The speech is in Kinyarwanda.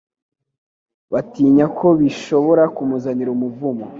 batinya ko bishobora kumuzanira umuvumo